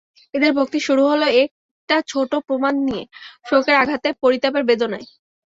এদের ভক্তির শুরু হল একটা ছোটো প্রমাণ নিয়ে, শোকের আঘাতে, পরিতাপের বেদনায়।